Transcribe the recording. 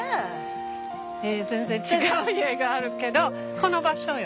全然違う家があるけどこの場所よ。